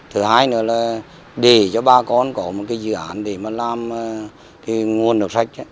thứ hai nữa là để cho bà con có một dự án để làm nguồn nước sạch